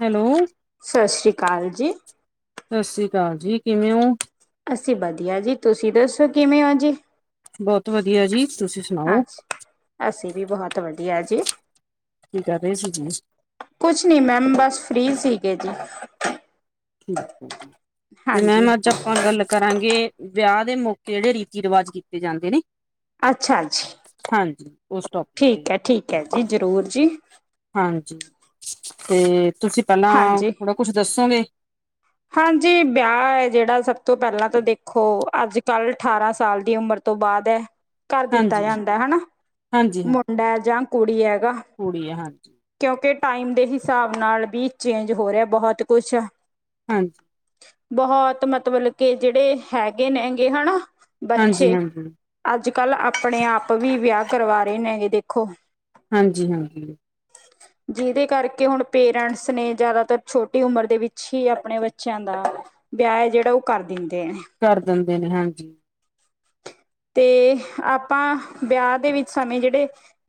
Hello. ਕਾਲ ਜੀ। ਸਤਿ ਸ੍ਰੀ ਅਕਾਲ ਜੀ ਕਿਵੇਂ ਹੋ? ਅੱਸੀਂ ਵਧੀਆ ਜੀ ਤੁਸੀਂ ਦੱਸੋ ਕਿਵੇਂ ਹੋ ਜੀ। ਬਹੁਤ ਵਧੀਆ ਜੀ। ਤੁਸੀਂ ਸੁਣਾਓ ਅੱਛਾ ਅਸੀਂ ਵੀ ਬਹੁਤ ਵਧੀਆ ਜੀ। ਕੀ ਕਰ ਰਹੇ ਸੀ ਜੀ ਕੁਝ ਨਹੀਂ ਮੈਮ ਬਸ ਫ੍ਰੀ ਸੀਗੇ ਜੀ। ਠੀਕ ਹੈ ਤੇ ਹਾਂਜੀ। ਮੈਮ ਅੱਜ ਹਾਂ, ਆਪਾਂ ਗੱਲ ਕਰਾਂਗੇ ਵਿਆਹ ਦੇ ਮੌਕੇ ਜਿਹੜੇ ਰੀਤੀ ਰਿਵਾਜ ਕੀਤੇ ਜਾਂਦੇ ਨੇ। ਅੱਛਾ ਜੀ ਹਾਂਜੀ ਉਸ ਟੋਪਿਕ ਤੇ ਠੀਕ ਹੈ, ਠੀਕ ਹੈ ਜੀ ਜ਼ਰੂਰ ਜੀ। ਹਾਂਜੀ ਤੇ ਤੁਸੀਂ ਪਹਿਲਾਂ ਹਾਂਜੀ। ਥੋੜਾ ਕੁਛ ਦੱਸੋਗੇ? ਹਾਂਜੀ ਵਿਆਹ ਹੈ ਜਿਹੜਾ ਸਭ ਤੋਂ ਪਹਿਲਾਂ ਤਾਂ ਦੇਖੋ ਅੱਜ ਕੱਲ ਅਠਾਰਾਂ ਸਾਲ ਦੀ ਉਮਰ ਤੋਂ ਬਾਅਦ ਹੈ। ਕਰ ਦਿੱਤਾ ਹਾਂਜੀ ਜਾਂਦਾ ਹੈਨਾ ਹਾਂਜੀ ਹਾਂਜੀ ਮੁੰਡਾ ਜਾਂ, ਕੁੜੀ ਹੈਗਾ। ਕੁੜੀ ਹੈ ਹਾਂਜੀ ਕਿਉਂਕਿ ਟਾਈਮ ਦੇ ਹਿਸਾਬ ਨਾਲ ਵੀ ਚੇਂਜ ਹੋ ਰਿਹਾ ਬਹੁਤ ਕੁਛ। ਹਾਂਜੀ। ਬਹੁਤ ਮਤਲਬ ਕੇ ਜਿਹੜੇ ਹੈਗੇ ਨੇ ਹੈਗੇ ਹਨਾ ਹਾਂਜੀ ਬੱਚੇ ਹਾਂਜੀ ਅੱਜ ਕੱਲ੍ਹ ਆਪਣੇ ਆਪ ਵੀ ਵਿਆਹ ਕਰਵਾ ਰਹੇ ਨੇਗੇ ਦੇਖੋ ਹਾਂਜੀ ਹਾਂਜੀ ਜਿਹਦੇ ਕਰਕੇ ਹੁਣ ਪੇਰੈਂਟਸ ਨੇ ਜ਼ਿਆਦਾਤਰ ਛੋਟੀ ਉਮਰ ਦੇ ਵਿੱਚ ਅਛੀ ਆਪਣੇ ਬੱਚਿਆਂ ਦਾ ਵਿਆਹ ਹੈ ਜਿਹੜਾ ਉਹ ਕਰਦੀ ਕਰ ਦਿੰਦੇ ਨੇ ਹਾਂਜੀ ਤੇ ਆਪਾਂ ਵਿਆਹ ਦੇ ਵਿੱਚ ਸਮੇਂ ਜਿਹੜੇ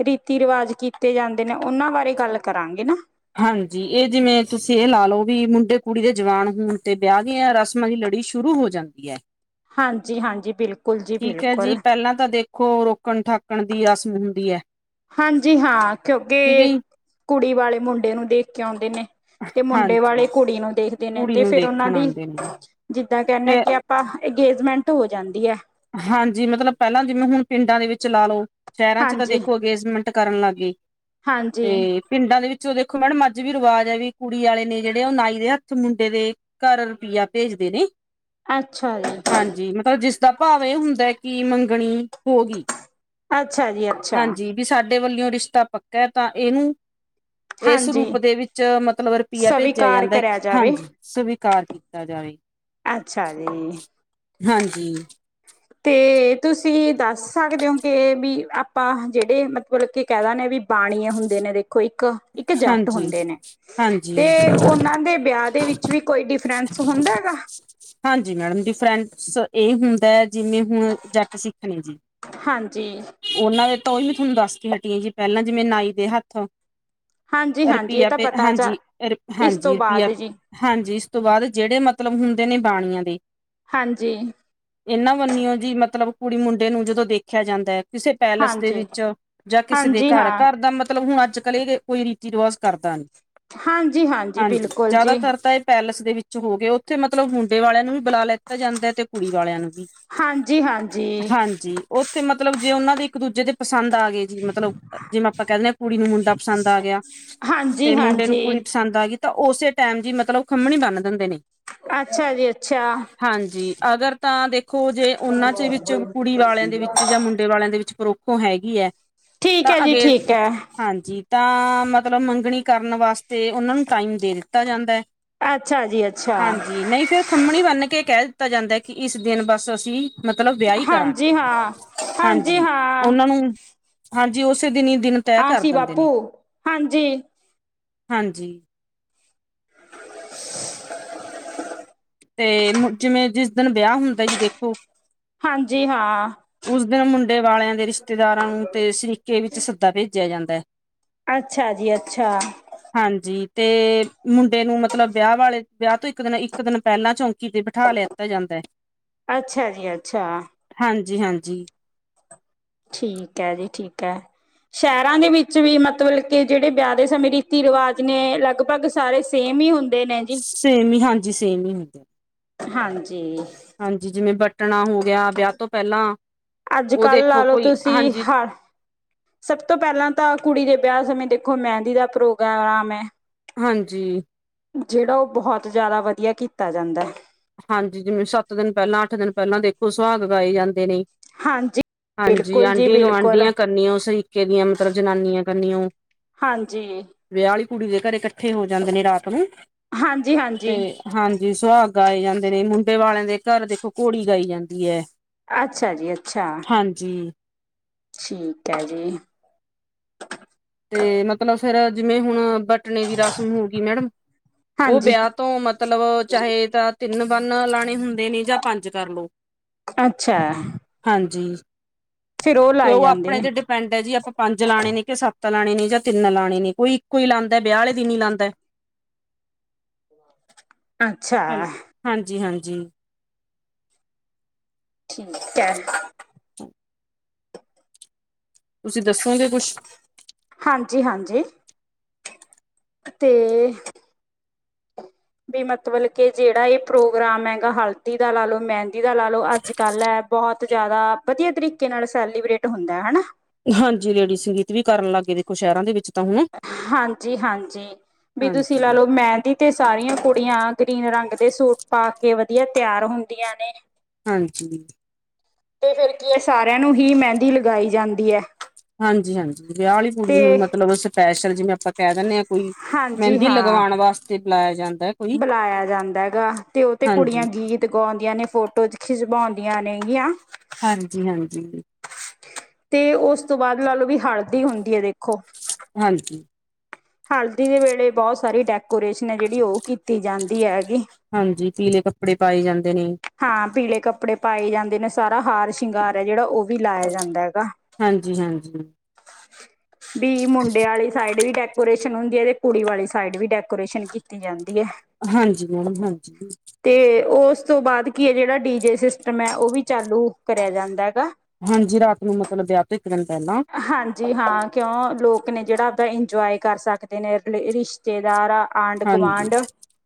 ਰੀਤੀ ਰਿਵਾਜ ਕੀਤੇ ਜਾਂਦੇ ਨੇ ਉਹਨਾਂ ਬਾਰੇ ਗੱਲ ਕਰਾਂਗੇ ਨਾ ਹਾਂਜੀ ਇਹ ਜਿਵੇਂ ਤੁਸੀਂ ਇਹ ਲਾ ਲੋਓ ਵੀ ਮੁੰਡੇ ਕੁੜੀ ਦੇ ਜਵਾਨ ਹੋਣ ਤੇ ਵਿਆਹ ਦੀਆਂ ਰਸਮਾਂ ਦੀ ੜੀ ਸ਼ੁਰੂ ਹੋ ਜਾਂਦੀ ਹੈ ਹਾਂਜੀ ਹਾਂਜੀ ਬਿਲਕੁਲ ਜੀ ਬਿਲਕੁਲ ਖੋ ਰੋਕਣ ਠਾਕਣ ਦੀ ਰਸਮ ਹੁੰਦੀ ਹੈ। ਹਾਂਜੀ ਹਾਂ ਠੀਕ ਹੈ ਕਿਉਂਕਿ ਜੀ ਕੁੜੀ ਵਾਲੇ ਮੁੰਡੇ ਨੂੰ ਦੇਖ ਕੇ ਆਉਂਦੇ ਨੇ। ਤੇ ਮੁੰਡੇ ਹਾਂਜੀ ਵਾਲੇ ਕੁੜੀ ਨੂੰ ਦੇਖਦੇ ਨੇ ਕੁੜੀ ਤੇ ਨੂੰ ਫਿਰ ਉਹਨਾਂ ਦੇਖਣ ਦੀ ਆਉਂਦੇ ਨੇ ਤੇ ਮੈ ਕਹਿਆ ਅੰਗੇਜਮੈਂਟ ਹੋ ਜਾਂਦੀ ਹੈ ਹਾਂਜੀ ਮਤਲਬ ਪਹਿਲਾਂ ਜਿਵੇਂ ਹੁਣ ਪਿੰਡਾਂ ਦੇ ਵਿੱਚ ਲਾ ਲਓ ਸ਼ਹਿਰਾਂ ਚ ਤਾਂ ਹਾਂਜੀ ਦੇਖੋ ਅੰਗੇਜਮੈਂਟ ਕਰਨ ਲੱਗ ਗਏ ਹਾਂਜੀ ਤੇ ਪਿੰਡਾਂ ਦੇ ਵਿੱਚ ਚ ਦੇਖੋ ਮੈਡਮ ਅੱਜ ਵੀ ਰਿਵਾਜ਼ ਆ ਵੀ ਕੁੜੀ ਵਾਲੇ ਨੇ ਜਿਹੜੇ ਉਹ ਨਾਈ ਦੇ ਹੱਥ ਮੁੰਡੇ ਦੇ ਘਰ ਰੁਪਈਆ ਭੇਜਦੇ [unintelligible] ਅੱਛਾ ਜੀ ਭਾਵੇਂ ਹੁੰਦਾ ਕਿ ਮੰਗਣੀ ਹੋ ਗਈ ਅੱਛਾ ਜੀ ਅੱਛਾ ਹਾਂਜੀ ਵੀ ਸਾਡੇ ਵੱਲਿਓ ਰਿਸ਼ਤਾ ਪੱਕਾ ਤਾਂ ਇਹਨੂੰ [inaudible] ਇਸ ਹਾਂਜੀ ਰੂਪ ਦੇ ਵਿੱਚ ਮਤਲਬ ਰੁਪਈਆ ਭੇਜਿਆ ਸਵੀਕਾਰ ਜਾਂਦਾ ਕਰਿਆ ਜਾਵੇ ਹਾਂਜੀ ਸਵੀਕਾਰ ਕੀਤਾ ਜਾਵੇ ਅੱਛਾ ਜੀ ਹਾਂਜੀ ਤੇ ਤੁਸੀਂ ਦੱਸ ਸਕਦੇ ਹੋ ਕਿ ਵੀ ਆਪਾਂ ਜਿਹੜੇ ਮਤਬਲ ਕੇ ਕਹਿ ਦਾ ਗੇ ਵੀ ਬਾਣੀਏ ਹੁੰਦੇ ਨੇ ਦੇਖੋ ਇੱਕ ਇੱਕ ਜੱਟ ਹਾਂਜੀ ਹੁੰਦੇ ਨੇ ਹਾਂਜੀ ਤੇ ਉਹਨਾਂ ਦੇ ਵਿਆਹ ਦੇ ਵਿੱਚ ਵੀ ਕੋਈ ਡਿਫਰੈਂਸ ਹੁੰ [inaudible] ਹਾਂਜੀ ਮੈਡਮ ਡੀਫਰੈਂਟਸ ਇਹ ਹੁੰਦਾ ਜਿਵੇਂ ਹੁਣ ਜੱਟ ਸਿੱਖ ਨੇ ਜੀ ਹਾਂਜੀ, ਉਹਨਾਂ ਦੇ ਤਾਂ ਉਹੀ ਮੈਂ ਤੁਹਾਨੂੰ ਦੱਸ ਕੇ ਹਟੀ ਆਂ ਜੀ ਪਹਿਲਾਂ ਜਿਵੇਂ ਨਾਈ ਦੇ ਹੱਥੋ ਹਾਂਜੀ-ਹਾਂਜੀ ਇਹ ਰੁਪਇਆ ਤਾਂ ਪ ਪਤਾ ਜਾ ਹਾਂਜੀ ਇਸ ਤੋਂ ਹਾਂਜੀ ਬਾਅਦ ਰੁਪਇਆ ਜੀ ਹਾਂਜੀ ਇਸ ਤੋਂ ਬਾਅਦ ਜਿਹੜੇ ਮਤਲਬ ਹੁੰਦੇ ਨੇ ਬਾਣੀਆਂ ਦੇ ਹਾਂਜੀ ਇਹਨਾਂ ਵਰਨੀਓ ਜੀ ਮਤਲਬ ਕੁੜੀ ਮੁੰਡੇ ਨੂੰ ਜਦੋਂ ਦੇਖਿਆ ਜਾਂਦਾ ਹੈ ਕਿਸੇ ਪੈਲੇਸ ਦੇ ਹਾਂਜੀ, ਵਿੱਚ ਜਾਂ ਕਿਸੇ ਦੇ ਹਾਂਜੀ ਘਰ ਹਾਂ। ਘਰ ਦਾ ਮਤਲਬ ਹੁਣ ਅੱਜ ਕੱਲ੍ਹ ਇਹ ਕੋਈ ਰਿਵਾਜ਼ ਕਰਦਾ ਹਾਂਜੀ-ਹਾਂਜੀ ਹਾਂਜੀ ਬਿਲਕੁਲ ਜੀ, ਜ਼ਿਆਦਾਤਰ ਤਾਂ ਇਹ ਪੈਲੇਸ ਦੇ ਵਿੱਚ ਹੋ ਗਏ ਉੱਥੇ ਮਤਲਬ ਮੁੰਡੇ ਵਾਲਿਆਂ ਨੂੰ ਵੀ ਬੁਲਾ ਲੀਤਾ ਜਾਂਦਾ ਹੈ ਤੇ ਕੁੜੀ ਵਾਲਿਆਂ ਨੂੰ ਵੀ ਹਾਂਜੀ ਹਾਂਜੀ ਹਾਂਜੀ ਉੱਥੇ ਮਤਲਬ ਜੇ ਉਹਨਾ ਦੇ ਇੱਕ ਦੂਜੇ ਦੇ ਪਸੰਦ ਆ ਗਏ ਜੀ ਮਤਲਬ ਜਿਵੇਂ ਆਪਾਂ ਕਹਿੰਦੇ ਹਾਂ ਕੁੜੀ ਨੂੰ ਮੁੰਡਾ ਪਸੰਦ ਆ ਗਿਆ ਤੇ ਮੁੰਡੇ ਨੂੰ ਹਾਂਜੀ-ਹਾਂਜੀ। ਕੁੜੀ ਪਸੰਦ ਆ ਗਈ ਤਾਂ ਉਸੇ ਟਾਈਮ ਜ ਮਤਲਬ ਉਹ ਖੰਮਣੀ ਬੰਨ ਦਿੰਦੇ ਨੇ ਅੱਛਾ ਜੀ ਅੱਛਾ ਹਾਂਜੀ ਅਗਰ ਤਾਂ ਦੇਖੋ ਜੇ ਉਹਨਾਂ ਚ ਵਿੱਚ ਕੁੜੀ ਵਾਲਿਆਂ ਦੇ ਵਿੱਚ ਜਾਂ ਮੁੰਡੇ ਵਾਲਿਆਂ ਦੇ ਵਿੱਚ ਪਰੁੱਖੋਂ ਹੈਗੀ ਹੈ ਠੀਕ ਤਾਂ ਐ ਜੀ ਅਗੇ ਠੀਕ ਐ। ਹਾਂਜੀ ਤਾਂ ਮਤਲਬ ਮੰਗਣੀ ਕਰਨ ਵਾਸਤੇ ਉਹਨਾਂ ਨੂੰ ਟਾਈਮ ਦੇ ਦਿੱਤਾ ਜਾਂਦਾ ਹੈ ਅੱਛਾ ਜੀ ਅੱਛਾ, ਹਾਂਜੀ ਨਹੀਂ ਫੇਰ ਖੰਮਣੀ ਬੰਨ ਕੇ ਕਹਿ ਦਿੱਤਾ ਜਾਂਦਾ ਹੈ ਕਿ ਇਸ ਦਿਨ ਬਸ ਅਸੀਂ ਮਤਲਬ ਵਿਆਹੀ ਕਰਾਂਗੇ ਹਾਂਜੀ ਹਾਂ, ਹਾਂਜੀ ਹਾਂ। ਉਹਨਾਂ ਨੂੰ ਹਾਂਜੀ ਉਸੇ ਦਿਨ ਦਿਨ ਤੈਅ ਕਰ ਆਸੀ ਦਿੰਦੇ ਵਾਤੂ ਨੇ ਹਾਂਜੀ ਹਾਂਜੀ ਤੇ ਜਿਵੇਂ ਜਿਸ ਦਿਨ ਵਿਆਹ ਹੁੰਦਾ ਜੀ ਦੇਖੋ ਹਾਂਜੀ ਹਾਂ, ਉਸ ਦਿਨ ਮੁੰਡੇ ਵਾਲਿਆਂ ਦੇ ਰਿਸ਼ਤੇਦਾਰਾਂ ਨੂੰ ਤੇਸਰੀ ਵਿੱਚ ਸੱਦਾ ਭੇਜਿਆਂ ਜਾਂਦਾ ਹੈ। ਅੱਛਾ ਜੀ ਅੱਛਾ। ਹਾਂਜੀ ਤੇ ਮੁੰਡੇ ਨੂੰ ਮਤਲਬ ਵਿਆਹ ਵਾਲੇ, ਵਿਆਹ ਤੋਂ ਇੱਕ ਦਿਨ ਇੱਕ ਇਕ ਦਿਨ ਪਹਿਲਾਂ ਚੌਂਕੀ ਤੇ ਬਿਠਾ ਲਿਆਤਾ ਜਾਂਦਾ ਐ। ਅੱਛਾ ਜੀ ਅੱਛਾ। ਹਾਂਜੀ ਹਾਂਜੀ। ਠੀਕ ਐ ਜੀ ਠੀਕ ਐ। ਸ਼ਹਿਰਾਂ ਦੇ ਵਿੱਚ ਵੀ, ਮਤਬਲ ਕੇ ਜਿਹੜੇ ਵਿਆਹ ਦੇ ਸਮੇਂ ਰੀਤੀ ਰਿਵਾਜ ਨੇ ਲਗਭਗ ਸਾਰੇ ਸੇਮ ਹੀ ਹੁੰ ਸੇਮ ਹੀ ਹਾਂਜੀ, ਸੇਮ ਹੀ ਹੁੰਦੇ ਨੇ ਹਾਂਜੀ ਹਾਂਜੀ, ਜਿਵੇਂ ਬ ਕੱਟਣਾ ਹੋ ਗਿਆ ਵਿਆਹ ਤੋਂ ਪਹਿਲਾਂ, ਅੱਜ ਉਹ ਕੱਲ੍ਹ ਲਾ ਦੇਖੋ ਲਓ ਕੋਈ ਤੁਸੀਂ ਹਾਂਜੀ। ਹਰ ਸਭ ਤੋਂ ਪਹਿਲਾਂ ਤਾਂ ਕੁੜੀ ਦੇ ਵਿਆਹ ਸਮੇਂ ਦੇਖੋ, ਮਹਿੰਦੀ ਦਾ ਪ੍ਰੋਗਰਾਮ ਐ ਹਾਂਜੀ। ਜਿਹੜਾ ਉਹ ਬਹੁਤ ਜ਼ਿਆਦਾ ਵਧੀਆ ਕੀਤਾ ਜਾਂਦਾ ਹੈ। ਹਾਂਜੀ, ਜਿਵੇਂ ਸੱਤ ਦਿਨ ਪਹਿਲਾਂ ਅੱਠ ਦਿਨ ਪਹਿਲਾਂ, ਦੇਖੋ ਸੁਹਾਗ ਗਾਏ ਜਾਂਦੇ ਨੇ। ਹਾਂਜੀ। ਹਾਂਜੀ, ਬਿਲਕੁਲ ਜੀ ਆਂਢੀ ਬਿਲਕੁਲ ਗੁਆਂਢੀਆਂ ਕਰਨੀਆ, ਉਹ ਸ਼ਰੀਕੇ ਦੀਆਂ ਮਤਲਬ ਜਨਾਨੀਆਂ ਕਰਨੀਆ, ਉਹ ਜੀ ਕੁੜੀ ਦੇ ਘਰ ਇਕੱਠੇ ਹੋ ਜਾਂਦੇ ਨੇ ਰਾਤ ਨੂੰ ਹਾਂਜੀ ਹਾਂਜੀ। ਤੇ ਹਾਂਜੀ ਸੁਹਾਗ ਗਾਏ ਜਾਂਦੇ ਨੇ, ਮੁੰਡੇ ਵਾਲਿਆਂ ਦੇ ਘਰ ਦੇਖੋ ਘੋੜੀ ਗਾਈ ਜਾਂਦੀ ਐ। ਅੱਛਾ ਜੀ ਅੱਛਾ। ਹਾਂਜੀ। ਠੀਕ ਐ ਜੀ। ਤੇ ਮਤਲਬ ਫੇਰ, ਜਿਵੇਂ ਹੁਣ ਬਟਣੇ ਦੀ ਰਸਮ ਹੋ ਗਈ ਮੈਡਮ ਉਹ ਹਾਂਜੀ ਵਿਆਹ ਤੋਂ, ਮਤਲਬ ਚਾਹੇ ਤਾਂ ਤਿੰਨ ਬੰਨ ਲਾਣੇ ਹੋਣ ਦੇ ਨੇ, ਜਾਂ ਪੰਜ ਕਰਲੋ ਅੱਛਾ। ਹਾਂਜੀ। ਫਿਰ ਤੇ ਲਾਏ ਉਹ ਜਾਂਦੇ ਆਪਣੇ ਨੇ ਤੇ ਡਿਪੈਂਡ ਐ, ਜੀ ਆਪਾਂ ਪੰਜ ਲਾਣੇ ਨੇ ਕਿ ਸੱਤ ਸੱਤਾ ਲਾਣੇ ਨੇ ਜਾਂ ਤਿੰਨ ਲਾਣੇ ਨੇ, ਕੋਈ ਇੱਕੋ ਹੀ ਲਾਉਂਦਾ ਵਿਆਹ ਵਾਲੇ ਦਿਨ ਹੀ ਲਾਂਦਾ ਏ ਅੱਛਾ ਹਾਂਜੀ ਹਾਂਜੀ। ਠੀ ਐ। ਤੁਸੀਂ ਦੱਸੋਗੇ ਕੁਛ ਹਾਂਜੀ ਹਾਂਜੀ। ਤੇ ਤੇ ਮਤਬਲ ਕੇ, ਜਿਹੜਾ ਇਹ ਪ੍ਰੋਗਰਾਮ ਹੈਗਾ, ਹਲਦੀ ਦਾ ਲਾਲੋ ਮਹਿੰਦੀ ਦਾ ਲਾਲੋ ਅੱਜ ਕੱਲ ਐ ਬਹੁਤ ਜ਼ਿਆਦਾ ਵਧੀਆ ਤਰੀਕੇ ਨਾਲ ਸੈਲੀਬ੍ਰੇਟ ਹੁੰਦਾ ਹਨਾ। ਹਾਂਜੀ ਲੇਡੀ ਸੰਗੀਤ ਵੀ ਕਰਨ ਲੱਗ ਗਏ ਦੇਖੋ ਸ਼ਹਿਰਾਂ ਦੇ ਵਿੱਚ ਤਾਂ ਹੁਣ ਹਾਂਜੀ ਹਾਂਜੀ। ਵੀ ਤੁਸੀਂ ਲਾ ਹਾਂਜੀ ਲੋਓ, ਮੈਦੀ ਤੇ ਸਾਰੀਆਂ ਕੁੜੀਆਂ ਗ੍ਰੀਨ ਰੰਗ ਦੇ ਸੂਟ ਪਾ ਕੇ ਵਧੀਆਂ ਤਿਆਰ ਹੁੰਦੀਆਂ ਨੇ। ਹਾਂਜੀ। ਤੇ ਫਿਰ ਕੀ, ਇਹ ਸਾਰਿਆਂ ਨੂੰ ਹੀ ਮਹਿੰਦੀ ਲਗਾਈ ਜਾਂਦੀ ਐ। ਹਾਂਜੀ ਹਾਂਜੀ, ਵਿਆਹ ਵਾਲੀ ਕੁੜੀ ਨੂੰ ਮਤਲਬ ਸਪੈਸ਼ਲ ਜਿਵੇਂ ਆਪਾਂ ਕਹਿ ਦਿੰਦੇ ਐ ਕੋਈ ਹਾਂਜੀ ਮਹਿੰਦੀ ਹਾਂ ਲਗਵਾਉਣ ਵਾਸਤੇ ਬਲਾਇਆ ਜਾਂਦਾ। ਹੈ ਕੋਈ ਬੁਲਾਇਆ ਜਾਂਦਾ ਹੈਗਾ, ਤੇ ਉਹ ਤੇ ਹਾਂਜੀ ਕੁੜੀਆਂ ਗੀਤ ਗਾਉਂਦੀਆਂ ਨੇ ਫੋਟੋ ਖਿਚਵਾਉਂਦੀਆਂ ਨੇਗੀਆਂ। ਹਾਂਜੀ ਹਾਂਜੀ। ਤੇ, ਉਸ ਤੋਂ ਬਾਅਦ ਲਾ ਲਓ, ਵੀ ਹਲਦੀ ਹੁੰਦੀ ਹੈ ਦੇਖੋ। ਹਾਂਜੀ। ਹਲਦੀ ਦੇ ਵੇਲੇ ਬਹੁਤ ਸਾਰੀ ਡੈਕੋਰੇਸ਼ਨ ਐ, ਜਿਹੜੀ ਉਹ ਕੀਤੀ ਜਾਂਦੀ ਹੈਗੀ। ਹਾਂਜੀ ਪੀਲੇ ਕੱਪੜੇ ਪਾਏ ਜਾਂਦੇ ਨੇ ਹਾਂ, ਪੀਲੇ ਕੱਪੜੇ ਪਾਏ ਜਾਂਦੇ ਨੇ ਸਾਰਾ ਹਾਰ ਸ਼ਿੰਗਾਰ ਐ, ਜਿਹੜਾ ਉਹ ਵੀ ਲਾਇਆਂ ਜਾਂਦਾ ਹੈਗਾ। ਹਾਂਜੀ ਹਾਂਜੀ ਡੀ ਮੋ ਹੁੰਦੀ ਹੈ ਤੇ ਕੁੜੀ ਵਾਲੀ ਸਾਈਡ ਵੀ ਡੈਕੋਰੇਸ਼ਨ ਕੀਤੀ ਜਾਂਦੀ ਕਿਤੀ ਐ ਹਾਂਜੀ ਮੈਡਮ ਹਾਂਜੀ ਤੇ ਉਸ ਉਸ ਤੋਂ ਬਾਅਦ ਕੀ ਇਹ ਜਿਹੜਾ ਡੀ ਜੇ ਸਿਸਟਮ ਹੈ ਉਹ ਵੀ ਚਾਲੂ ਕਰਿਆ ਜਾਂਦਾ ਹੈਗਾ ਹਾਂਜੀ ਰਾਤ ਨੂੰ ਮਤਲਬ ਵਿਆਹ ਤੋਂ ਇੱਕ ਦਿਨ ਪਹਿਲਾਂ ਹਾਂਜੀ ਹਾਂ ਕਿਉਂ ਲੋਕ ਲੋਕ ਨੇ ਜਿਹੜਾ ਆਪਦਾ ਇੰਜੋਏ ਕਰ ਸਕਦੇ ਨੇ ਰਿਸ਼ਤੇਦਾਰ ਆ ਆਂਡ ਹਾਂਜੀ, ਕਵਾਂਡ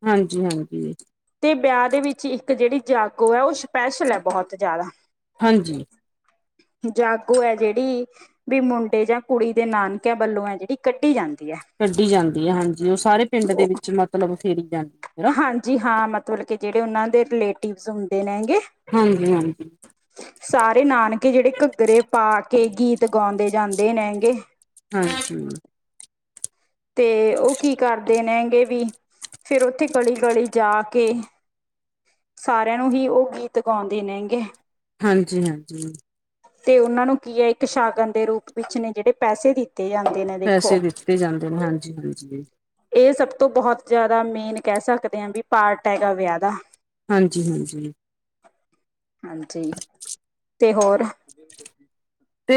ਹਾਂਜੀ, ਹਾਂਜੀ, ਤੇ ਵਿਆਹ ਦੇ ਵਿੱਚ ਇੱਕ ਜਿਹੜੀ ਜਾਗੋ ਹੈਂ ਉਹ ਸਪੈਸ਼ਲ ਹੈ ਬਹੁਤ ਜ਼ਿਆਦਾ ਹਾਂਜੀ ਜਾਗੋ ਹੈ ਜਿਹੜੀ ਵੀ ਮੁੰਡੇ ਜਾਂ ਕੁੜੀ ਦੇ ਨਾਨਕਿਆਂ ਵੱਲੋਂ ਐ ਜਿਹੜੀ ਕੱਢੀ ਜਾਂਦੀ ਹੈ ਕੱਢੀ ਜਾਂਦੀ ਹੈ ਹਾਂਜੀ ਉਹ ਸਾਰੇ ਪਿੰਡ ਦੇ ਉਹ ਵਿੱਚ ਮਤਲਬ ਫੇਰੀ ਜਾਂਦੀ ਹੈ ਹਾਂਜੀ ਹਾਂ ਮਤਲਬ ਕੇ ਜਿਹੜੇ ਉਹਨਾਂ ਦੇ ਰਿਲੇਟਿਵ ਹੁੰਦੇ ਨੇ ਹਾਂਜੀ ਹਾਂਜੀ ਸਾਰੇ ਨਾਨਕੇ ਜਿਹੜੇ ਘਗਰੇ ਪਾ ਕੇ ਗੀਤ ਗਾਉਂਦੇ ਜਾਂਦੇ ਨੇ ਹਾਂਜੀ ਤੇ ਉਹ ਕੀ ਕਰਦੇ ਨੈ ਗੇ ਵੀ ਫੇਿਰ ਉੱਥੇ ਗਲੀ ਗਲੀ ਜਾ ਕੇ ਸਾਰਿਆਂ ਨੂੰ ਹੀ ਉਹ ਗੀਤ ਗਾਉਂਦੇ ਨੇਗੇ ਹਾਂਜੀ ਹਾਂਜੀ ਤੇ ਉਹਨਾਂ ਨੂੰ ਕੀ ਹੈ ਇੱਕ ਸ਼ਾਗਨ ਦੇ ਰੂਪ ਵਿੱਚ ਨੇ ਜਿਹੜੇ ਪੈਸੇ ਦਿੱਤੇ ਜਾਂਦੇ ਨੇ ਪੈਸੇ ਦੇਖੋ ਦਿੱਤੇ ਜਾਂਦੇ ਨੇ ਹਾਂਜੀ, ਹਾਂਜੀ, ਇਹ ਸਭ ਤੋਂ ਬਹੁਤ ਜ਼ਿਆਦਾ ਮੇਨ ਕਹਿ ਸਕਦੇ ਹਾਂ ਵੀ ਪਾਰਟ ਹੈਗਾ ਵਿਆਹ ਦਾ ਹਾਂਜੀ ਹਾਂਜੀ ਹਾਂਜੀ ਤੇ ਹੋਰ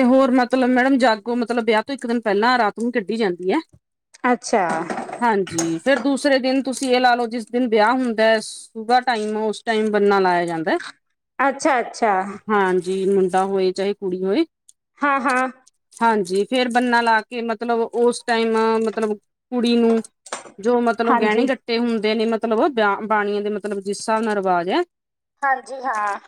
ਤੇ ਹੋਰ ਮਤਲਬ ਮੈਡਮ ਜਾਗੋ ਮਤਲਬ ਵਿਆਹ ਤੋਂ ਇੱਕ ਦਿਨ ਪਹਿਲਾਂ ਰਾਤ ਨੂੰ ਕੱਢੀ ਜਾਂਦੀ ਹੈ ਅੱਛਾ ਹਾਂਜੀ ਫਿਰ ਦੂਸਰੇ ਦਿਨ ਤੁਸੀਂ ਇਹ ਲਾ ਲਓ ਜਿਸ ਦਿਨ ਵਿਆਹ ਹੁੰਦਾ ਹੈ ਸੂਗਾ ਨੂੰ ਉਸ ਟਾਈਮ ਬੰਨਾ ਲਾਇਆ ਜਾਂਦਾ ਅੱਛਾ ਅੱਛਾ ਜੀ ਹੁਣ ਤਾ ਹੋਏ ਚਾਹੀ ਕੁੜੀ ਕੋਈ ਹਾਂ ਹਾਂ ਹਾਂਜੀ ਫੇਰ ਬੰਨਾ ਲਾ ਕੇ ਮਤਲਬ ਉਸ ਟਾਈਮ ਮਤਲਬ ਕੁੜੀ ਨੂੰ ਜੋ ਮਤਲਬ ਗਹਿਣੇ ਹਾਂਜੀ ਗੱਟੇ ਹੁੰਦੇ ਨੇ ਮਤਲਬ ਬਾਣੀਆਂ ਦੇ ਮਤਲਬ ਜਿਸ ਹਿਸਾਬ ਨਾਲ ਰਿਵਾਜ਼ ਹੈ ਹਾਂਜੀ ਹਾਂ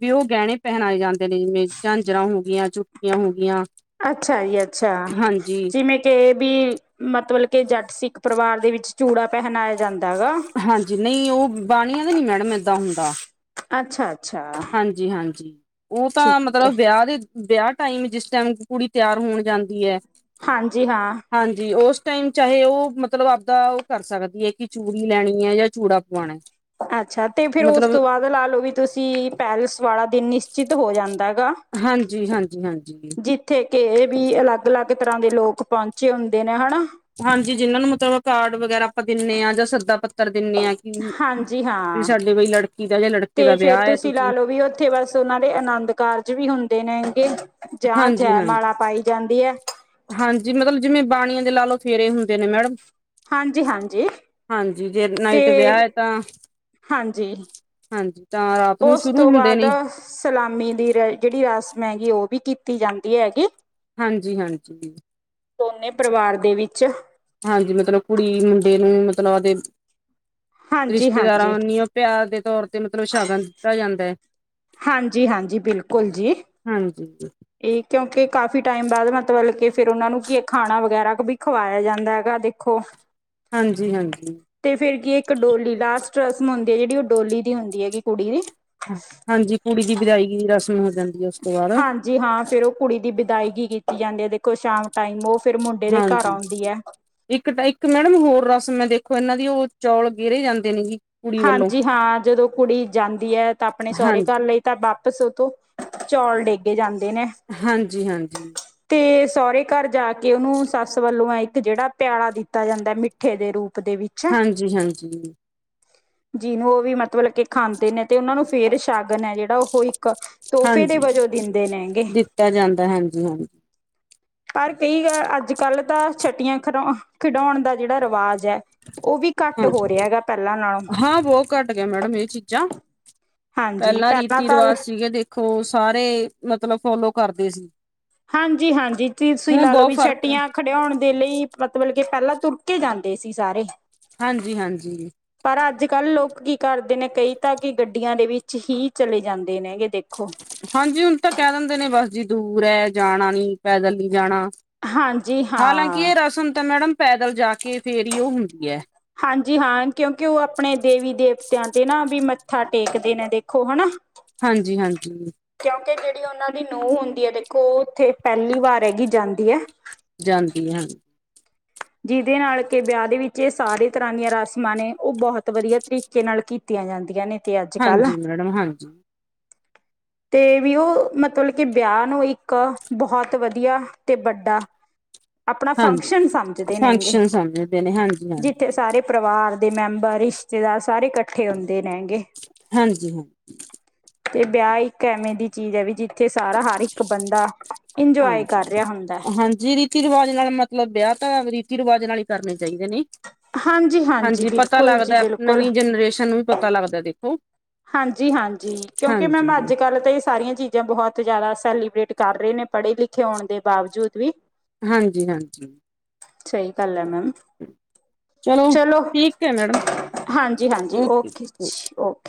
ਪੀ ਉਹ ਗਹਿਣੇ ਪਹਿਨਾਏ ਜਾਂਦੇ ਨੇ ਜਿਵੇਂ ਝਾਂਜਰਾਂ ਹੁਦੀਆਂ ਚੁਟਕੀਆਂ ਹੁਦੀਆਂ ਅੱਛਾ ਈ ਅੱਛਾ ਜਿਵੇਂ ਕੇ ਵੀ ਮਤਲਬ ਕੇ ਜੱਟ ਸਿੱਖ ਪਰਿਵਾਰ ਦੇ ਵਿੱਚ ਚੂੜਾ ਪਹਿਨਾਇਆ ਜਾਂ ਹਾਂਜੀ, ਨਹੀਂ ਉਹ ਬਾਣੀਆਂ ਨਹੀ ਮੈਡਮ ਏਦਾਂ ਹੁੰਦਾ। ਅੱਛਾ, ਅੱਛਾ ਹਾਂਜੀ-ਹਾਂਜੀ ਉਹ ਤਾਂ ਠੀਕ ਹੈ ਮਤਲਬ ਵਿਆਹ ਦੀ, ਵਿਆਹ ਟਾਈਮ, ਜਿਸ ਟਾਈਮ ਕੁੜੀ ਤਿਆਰ ਹੋਣ ਜਾਂਦੀ ਏ। ਹਾਂਜੀ ਹਾਂ, ਟਾਈਮ ਚਾਹੇ ਉਹ ਮਤਲਬ ਆਪਦਾ ਉਹ ਕਰ ਸਕਦੀ ਹੈ, ਕਿ ਚੂੜੀ ਲੈਣੀ ਐ ਜਾਂ ਚੂੜਾ। ਪਵਾਉਣਾ ਅੱਛਾ, ਤੇ ਫੇਰ ਉਸ ਮਤਲਬ ਤੋਂ ਬਾਅਦ ਲਾ ਲਓ, ਵੀ ਤੁਸੀਂ ਪੈਲਸ ਵਾਲਾ ਦਿਨ ਨਿਚਿਤ ਹੋ ਜਾਂਦਾ ਏ ਗਾ। ਹਾਂਜੀ-ਹਾਂਜੀ-ਹਾਂਜੀ, ਕੇ ਏ ਵੀ ਅਲੱਗ-ਅਲੱਗ ਤਰ੍ਹਾਂ ਦੇ ਲੋਕ ਪਹੁੰਚੇ ਹੁੰਦੇ ਨੇ ਹਨਾ। ਹਾਂਜੀ, ਜਿਹਨਾਂ ਨੂੰ ਮਤਲਬ ਕਾਰਡ ਵਗੈਰਾ ਆਪਾਂ ਦਿਨੇ ਆ ਜਾਂ ਸੱਦਾ ਪਤ ਪੱਤਰ ਦਿਨੇ ਆ ਕਿ, ਹਾਂਜੀ ਵੀ ਹਾਂ ਸਾਡੇ ਬਈ ਲੜਕੀ ਦਾ ਜਾਂ ਲੜਕੇ ਦਾ ਤੇ ਫੇਰ ਵਿਆਹ ਐ ਲਾ ਤੁਸੀਂ ਲਓ ਵੀ ਉੱਥੇ ਬਸ ਉਹਨਾਂ ਦੇ ਆਨੰਦ ਕਾਰਜ ਵੀ ਹੁੰ ਪਾਈ ਜਾਂਦੀ ਹੈ ਹਾਂਜੀ-ਹਾਂਜੀ-ਹਾਂਜੀ ਮਤਲਬ, ਜਿਵੇਂ ਬਾਣੀਆਂ ਦੇ ਲਾ ਲੋ ਫੇਰੇ ਹੁੰਦੇ ਨੇ ਮੈਡਮ ਹਾਂਜੀ ਹਾਂਜੀ ਹਾਂਜੀ, ਜੇ ਤੇ ਨਾਈਟ ਵਿਆਹ ਐ ਤਾਂ ਹਾਂਜੀ, ਹਾਂਜੀ ਤਾਂ ਰਾਤ ਨੂੰ ਉਸ ਸ਼ੁਰੂ ਤੋਂ ਹੁੰਦੇ ਬਾਅਦ ਨੇ ਸਲਾਮੀ ਦੀ ਜਿਹੜੀ ਰਸਮ ਐ, ਉਹ ਵੀ ਕੀਤੀ ਜਾਂਦੀ ਐ ਗੀ। ਹਾਂਜੀ-ਹਾਂਜੀ। ਦੋਨੇ ਪਰਿਵਾਰ ਦੇ ਵਿੱਚ ਹਾਂਜੀ, ਮਤਲਬ ਕੁੜੀ ਮੁੰਡੇ ਨੂੰ ਮਤਲਬ ਉਹਦੇ ਹਾਂਜੀ ਰਿਸ਼ਤੇਦਾਰਾਂ ਹਾਂਜੀ ਉਹ ਪਿਆਰ ਦੇ ਤੌਰ ਤੇ ਮਤਲਬ ਸ਼ਗਨ ਦਿੱਤਾ ਜਾਂਦਾ ਹੈ। ਹਾਂਜੀ-ਹਾਂਜੀ ਬਿਲਕੁਲ ਜੀ। ਹਾਂਜੀ ਇਹ ਕਿਉਂਕਿ ਕਾਫੀ ਟਾਈਮ ਬਾਅਦ ਮਤਲਬ ਕੇ ਫਿਰ ਉਹਨਾ ਨੂੰ ਕੀ ਖਾਣਾ ਵਗੈਰਾ ਵੀ ਖਵਾਇਆ ਜਾਂਦਾ ਐ ਗਾ। ਦੇਖੋ, ਹਾਂਜੀ ਹਾਂਜੀ ਤੇ ਫਿਰ ਕੀ ਇੱਕ ਡੋਲੀ ਡਾਸ ਰਸਮ ਹੁੰਦੀ ਹੈ, ਜਿਹੜੀ ਉਹ ਡੋਲੀ ਦੀ ਹੁੰਦੀ ਹੈਗੀ ਕੁੜੀ ਦੀ। ਹਾਂਜੀ ਕੁੜੀ ਦੀ ਵਿਦਾਈ ਦੀ ਰਸਮ ਹੋ ਜਾਂਦੀ ਹੈ ਉਸ ਤੋਂ ਬਾਅਦ ਹਾਂਜੀ, ਹਾਂ ਫੇਰ ਉਹ ਕੁੜੀ ਦੀ ਵਿਦਾਇਗੀ ਕੀਤੀ ਜਾਂਦੀ ਐ ਦੇਖੋ ਸ਼ਾਮ ਟਾਈਮ ਔ ਹਾਂਜੀ, ਇੱਕ-ਇੱਕ ਮੈਡਮ ਹੋਰ ਰਸਮ ਮੈਂ ਦੇਖੋ ਇਹਨਾਂ ਦੀ ਉਹੋ। ਚੌਲ ਗੇਰੇ ਜਾਂਦੇ ਨੇ ਜੀ। ਕੁੜੀ ਵੱਲੋਂ ਹਾਂਜੀ ਹਾਂ, ਜਦੋਂ ਕੁੜੀ ਜਾਂਦੀ ਹੈ, ਤਾਂ ਆਪਣੇ ਸਹੁਰੇ ਹਾਂਜੀ ਘਰ ਲਈ ਤਾਂ ਵਾਪਿਸ ਉਤੋ ਚੌਲ ਡੇਗੇ ਜਾਂਦੇ ਨੇ ਹਾਂਜੀ-ਹਾਂਜੀ। ਤੇ ਸਹੁਰੇ ਘਰ ਜਾ ਕੇ ਉਨੂੰ ਸੱਸ ਵੱਲੋਂ ਇੱਕ ਜਿਹੜਾ ਪਿਆਲਾ ਦਿੱਤਾ ਜਾਂਦਾ ਮਿੱਠੇ ਦੇ ਰੂਪ ਦੇ ਵਿੱਚ ਹਾਂਜੀ-ਹਾਂਜੀ। ਜਿਹਨੂੰ ਉਹ ਵੀ ਮਤਲਬ ਕੇ ਖਾਂਦੇ, ਨੇ ਤੇ ਉਹਨਾਂ ਨੂੰ ਫਿਰ ਸ਼ਗਨ ਐ ਜਿਹੜਾ ਉਹ ਕੋਈ ਤੋਹਫ਼ੇ ਦੇ ਹਾਂਜੀ ਵਜੋਂ ਦਿੰਦੇ ਨੇ ਗੇ। ਦਿੱਤਾ ਜਾਂਦਾ ਹਾਂਜੀ ਹਾਂਜੀ ਪਰ ਕਈ ਅੱਜ-ਕੱਲ੍ਹ ਤਾਂ ਛੱਟੀਆਂ ਖਿਡੌਉਣ ਦਾ ਜਿਹੜਾ ਰਿਵਾਜ਼ ਹਾਂਜੀ, ਨਾਲੋਂ ਹਾਂ ਬਹੁਤ ਘੱਟ ਗਿਆ ਮੈਡਮ ਇਹ ਚੀਜ਼ਾਂ। ਹਾਂਜੀ ਪਹਿਲਾਂ ਰੀਤੀ ਤਾਂ ਰਿਵਾਜ਼ ਸੀ ਗੇ ਦੇਖੋ, ਸਾਰੇ ਮਤਲਬ ਫੋਲੋ ਕਰਦੇ ਸੀ। ਹਾਂਜੀ-ਹਾਂਜੀ, ਤੁਸੀਂ ਹੁਣ ਲਾ ਲਓ ਬਹੁਤ ਵੀ ਫ਼ਰਕ ਹੈ। ਛੱਟੀਆਂ ਖਡਿਆਉਣ ਦੇ ਲਈ ਮਤਲਬ ਕਿ ਪਹਿਲਾਂ ਤੁਰ ਕੇ ਜਾਂਦੇ ਸੀ ਸਾਰੇ। ਹਾਂਜੀ-ਹਾਂਜੀ। ਪਰ ਅੱਜ-ਕੱਲ੍ਹ ਲੋਕ ਕੀ ਕਰਦੇ ਨੇ ਕਈ ਤਾਂ ਕਿ ਗੱਡੀਆਂ ਦੇ ਵਿੱਚ ਹੀ ਚਲੇ ਜਾਂਦੇ ਨੇ ਗੇ ਦੇਖ ਹਾਂਜੀ, ਹੁਣ ਤਾਂ ਕਹਿ ਦਿੰਦੇ ਨੇ ਬਸ ਜੀ ਦੂਰ ਹੈ, ਜਾਣਾ ਨੀ ਪੈਦਲ ਨੀ ਜਾਣਾ ਹਾਂਜੀ ਹਾਲਾਂ ਕਿ ਹਾਂ ਐ ਰਸਮ ਤਾਂ ਮੈਡਮ ਪੈਦਲ ਜਾ ਕੇ ਫੇਰ ਹੀ ਉਹ ਹੁੰਦੀ ਹੈ ਹਾਂਜੀ, ਹਾਂ ਕਿਉਂਕਿ ਉਹ ਆਪਣੇ ਦੇਵੀ-ਦੇਵ ਤੇ ਆਂਦੇ ਨਾ ਵੀ ਮੱਥਾ ਟੇਕਦੇ ਨੇ ਦੇਖੋ ਹਨਾ। ਹਾਂਜੀ-ਹਾਂਜੀ। ਜਿਹੀ ਉਹਨਾਂ ਦੀ ਨੂੰਹ ਹੁੰਦੀ ਐ ਦੇਖੋ, ਉਹ ਉੱਥੇ ਪਹਿਲੀ ਵਾਰ ਹੈਗੀ ਜਾਂਦੀ ਹੈ। ਜਾਂਦੀ ਹਾਂ‌। ਜਿਹਦੇ ਨਾਲ ਕਿ ਵਿਆਹ ਦੇ ਵਿੱਚ ਇਹ ਸਾਰੇ ਤਰ੍ਹਾਂ ਦੀਆਂ ਰਸਮਾਂ ਨੇ ਉਹ ਬਹੁਤ ਵਧੀਆ ਤਰੀਕੇ ਨਾਲ ਕੀਤੀਆਂ ਜਾਂਦੀਆਂ ਨੇ। ਤੇ ਅੱਜ ਕੱਲ੍ਹ ਹਾਂਜੀ ਮੈਡਮ ਹਾਂਜੀ। ਤੇ ਵੀ ਉਹ ਮਤਲਬ ਕਿ ਵਿਆਹ ਨੂੰ ਇੱਕ ਬਹੁਤ ਵਧੀਆ ਤੇ ਵਡਾ ਆਪਣਾ ਹਾਂਜੀ ਫੰਕਸ਼ਨ ਸਮਝਦੇ ਨੇ ਗੇ। ਫੰਕਸ਼ਨ ਸਮਝਦੇ ਨੇ ਹਾਂਜੀ ਹਾਂਜੀ ਜਿੱਥੇ ਸਾਰੇ ਪਰਿਵਾਰ ਦੇ ਮੈਂਬਰ ਰਿਸ਼ਤੇਦਾਰ ਸਾਰੇ ਇਕੱਠੇ ਹੁੰਦੇ ਨੇਗੇ ਹਾਂਜੀ ਹਾਂ। ਤੇ ਵਿਆਹ ਇੱਕ ਐਵੇਂ ਦੀ ਚੀਜ਼ ਹੈ ਵੀ ਜਿੱਥੇ ਸਾਰਾ ਹਰ ਇੱਕ ਬੰਦਾ ਇੰਜੋਏ ਹਾਂਜੀ ਕਰ ਰਿਹਾ ਹੁੰਦਾ ਹਾਂਜੀ ਰੀਤੀ ਰਿਵਾਜ ਨਾਲ ਮਤਲਬ ਵਿਆਹ ਤਾਂ ਰੀਤੀ ਰਿਵਾਜ ਨਾਲ ਹੀ ਕਰਨੇ ਚਾਹੀਦੇ ਨੇ। ਹਾਂਜੀ ਹਾਂਜੀ ਪਤਾ ਬਿਲਕੁਲ ਜੀ ਲੱਗਦਾ ਬਿਲਕੁਲ ਨਵੀਂ ਜਨਰੇਸ਼ਨ ਨੂੰ ਵੀ ਪਤਾ ਲੱਗਦਾ ਦੇਖੋ। ਹਾਂਜੀ ਹਾਂਜੀ ਕਿਉਂਕਿ ਮੈਮ ਹਾਂਜੀ ਅੱਜ ਕੱਲ ਤਾਂ ਇਹ ਸਾਰੀਆਂ ਚੀਜ਼ਾਂ ਬਹੁਤ ਜ਼ਿਆਦਾ ਸੈਲੀਬ੍ਰੇਟ ਕਰ ਰੇ ਨੇ ਪੜੇ-ਲਿਖੇ ਹੋਨ ਦੇ ਬਾਵਜੂਦ ਵੀ ਹਾਂਜੀ, ਹਾਂਜੀ। ਸਹੀ ਗੱਲ ਏ ਮੈਮ। [inaudible] ਚਲੋ, ਠੀਕ ਏ ਮੈਡਮ। ਹਾਂਜੀ-ਹਾਂਜੀ ਔਕੇ। ਓਕੇ ਜੀ ਓਕੇ